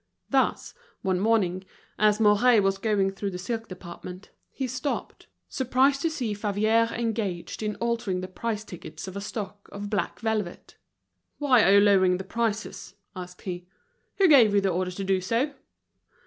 Thus, one morning, as Mouret was going through the silk department, he stopped, surprised to see Favier engaged in altering the price tickets of a stock of black velvet. "Why are you lowering the prices?" asked he. "Who gave you the order to do so?"